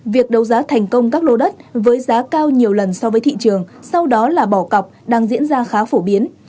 việc đấu giá thành công các lô đất với giá cao nhiều lần so với thị trường sau đó là bỏ cọc đang diễn ra khá phổ biến